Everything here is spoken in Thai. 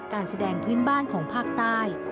การแสดงพื้นบ้านของภาคใต้